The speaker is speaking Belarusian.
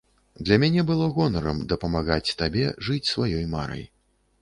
Для мяне было гонарам дапамагаць табе жыць сваёй марай.